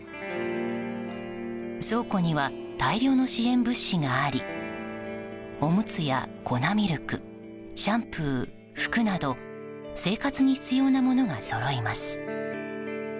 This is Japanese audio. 倉庫には大量の支援物資がありおむつや粉ミルクシャンプー、服など生活に必要なものがそろいます。